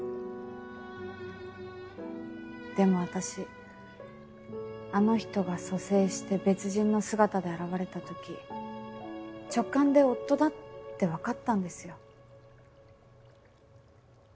でも私あの人が蘇生して別人の姿で現れたとき直感で夫だって分かったんですよ。